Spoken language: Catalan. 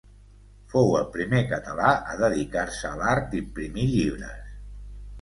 Fou el primer català a dedicar-se a l'art d'imprimir llibres.